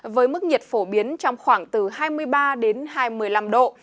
với mức nhiệt phổ biến trong khoảng từ hai mươi ba đến hai mươi năm độ